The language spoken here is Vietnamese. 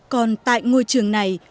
còn tại ngôi trường này